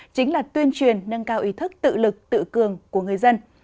chính là tuyên truyền nâng cao ý thức tự lực tự cường của người dân